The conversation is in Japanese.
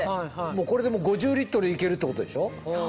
これでもう５０いけるってことでしょ？